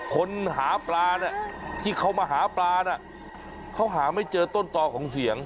คนหาปลาที่เขามาหาปลาน่ะเขาหาไม่เจอต้นต่อของเสียง